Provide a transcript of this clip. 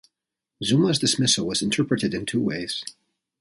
Zuma's dismissal was interpreted in two ways.